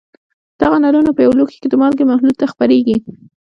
دغه نلونه په یو لوښي کې د مالګې محلول ته خپرېږي.